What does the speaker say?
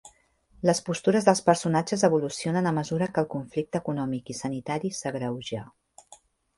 Les postures dels personatges evolucionen a mesura que el conflicte econòmic i sanitari s'agreuja.